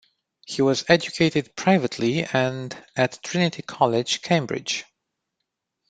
He was educated privately and at Trinity College, Cambridge.